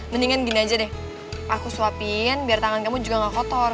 mendingan gini aja deh aku suapin biar tangan kamu juga gak kotor